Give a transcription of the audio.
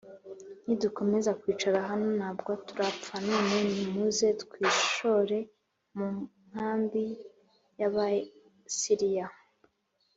Nidukomeza kwicara hano nabwo turapfa none nimuze twishore mu nkambi y abasiriya